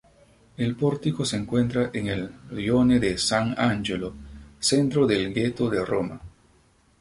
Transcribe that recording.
El pórtico se encuentra en el rione de Sant'Angelo, centro del ghetto de Roma.